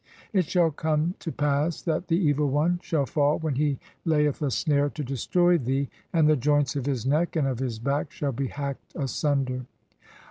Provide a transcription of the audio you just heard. "It shall come to pass that the Evil One shall fall when he layeth "a snare to destrov thee, (45) and the joints of his neck and of "his back shall be hacked asunder.